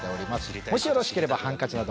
もしよろしければハンカチなどお持ちで。